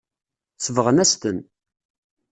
Sebɣen-as-ten.